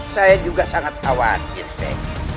saya juga sangat khawatir sih